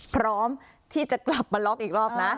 พร้อมที่จะกลับมาล็อกอีกรอบนะ